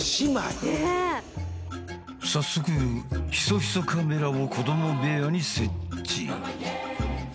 早速ヒソヒソカメラを子供部屋に設置